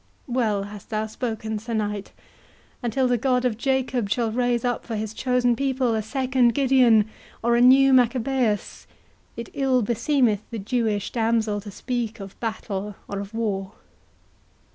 Well hast thou spoken, Sir Knight,—until the God of Jacob shall raise up for his chosen people a second Gideon, or a new Maccabeus, it ill beseemeth the Jewish damsel to speak of battle or of war."